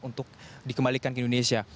untuk dikembalikan ke indonesia